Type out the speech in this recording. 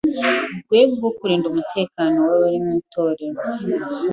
rwego rwo kurinda umutekano w’abari mu Itorero